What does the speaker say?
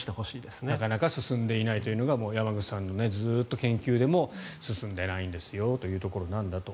なかなか進んでいないというのが山口さんの研究でもずっと進んでいないんですよというところなんだと。